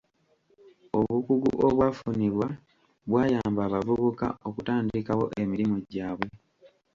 Obukugu obwafunibwa bwayamba abavubuka okutandikawo emirimu gyabwe.